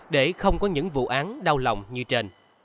để không có những vụ án đau lòng như trên